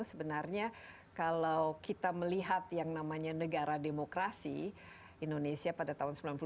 sebenarnya kalau kita melihat yang namanya negara demokrasi indonesia pada tahun sembilan puluh delapan